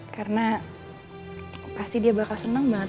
karena pasti dia bakal seneng banget